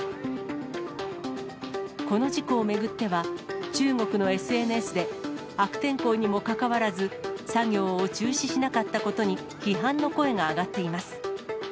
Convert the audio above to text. この事故を巡っては、中国のＳＮＳで悪天候にもかかわらず、作業を中止しなかったことに、批判の声が上がっています。